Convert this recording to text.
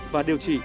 và điều trị